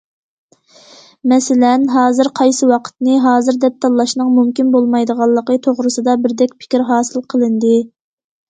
مەسىلەن: ھازىر قايسى ۋاقىتنى« ھازىر» دەپ تاللاشنىڭ مۇمكىن بولمايدىغانلىقى توغرىسىدا بىردەك پىكىر ھاسىل قىلىندى.